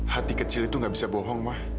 hati kecil itu gak bisa bohong mah